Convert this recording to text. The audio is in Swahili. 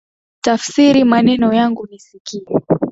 Tafsiri maneno yangu nisikie